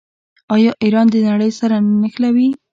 آیا ایران د نړۍ سره نه نښلوي؟